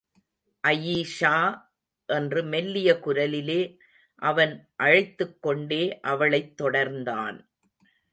அயீஷா! என்று மெல்லிய குரலிலே அவன் அழைத்துக்கொண்டே அவளைத் தொடர்ந்தான்.